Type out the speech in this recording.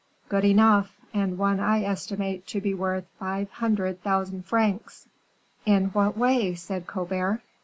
"Good enough, and one I estimate to be worth five hundred thousand francs." "In what way?" said Colbert.